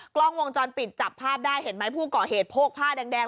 กล้องวงจรปิดจับภาพได้เห็นไหมผู้ก่อเหตุโพกผ้าแดง